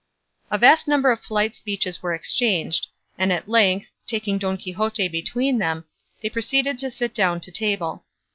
A vast number of polite speeches were exchanged, and at length, taking Don Quixote between them, they proceeded to sit down to table.